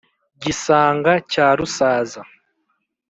gisanga cya rusaza